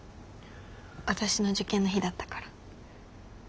私の受験の日だったから。